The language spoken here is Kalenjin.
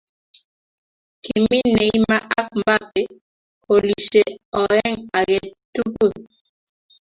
Kimiin Neymar ak Mbappe kolishe oeng ake tugul.